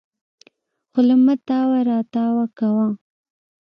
خوله مه تاوې راو تاوې کوه.